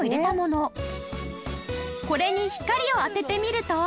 これに光を当ててみると。